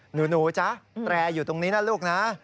หนูจ๊ะแตรอยู่ตรงนี้นะลูกนะ